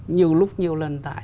nhiều lúc nhiều lần